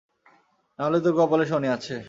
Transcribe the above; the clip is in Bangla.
নাহলে তোর কপালে শনি আছে।